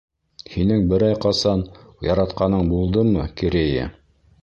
Һинең берәй ҡасан яратҡаның булдымы, Керея?